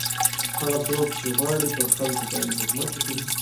هغه څوک چې غواړي پر خلکو باندې حکومت وکړي.